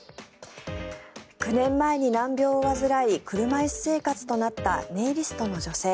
９年前に難病を患い車椅子生活となったネイリストの女性。